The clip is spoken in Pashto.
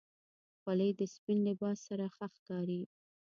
خولۍ د سپین لباس سره ښه ښکاري.